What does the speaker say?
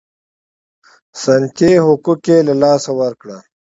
سنتي حقوق یې له لاسه ورکړل.